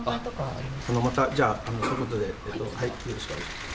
あの、またじゃあ、そういうことで、よろしくお願いします。